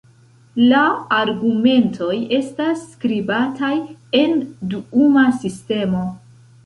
La argumentoj estas skribataj en duuma sistemo.